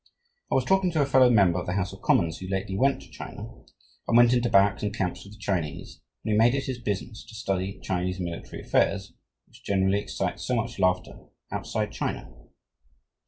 I was talking to a fellow member of the House of Commons who lately went to China, and went into barracks and camps with the Chinese, and who made it his business to study Chinese military affairs, which generally excite so much laughter outside China.